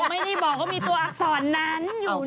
เขาไม่ได้บอกว่ามีตัวอักษรนั้นอยู่ในนิว